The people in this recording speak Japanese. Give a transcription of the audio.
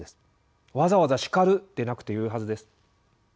わざわざ「叱る」でなくてよいはずです。